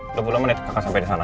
udah bulan mana kakak sampai disana